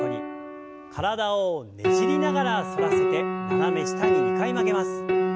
体をねじりながら反らせて斜め下に２回曲げます。